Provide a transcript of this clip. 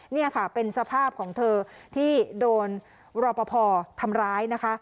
นี่ค่ะเป็นสภาพของเธอที่โดนรอปภทำร้ายนะคะ